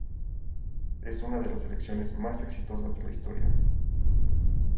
Es una de las selecciones más exitosas de la historia.